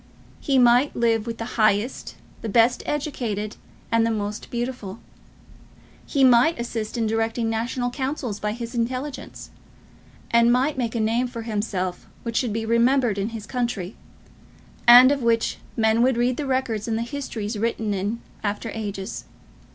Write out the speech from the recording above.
He might live with the highest, the best educated, and the most beautiful; he might assist in directing national councils by his intelligence; and might make a name for himself which should be remembered in his country, and of which men would read the records in the histories written in after ages.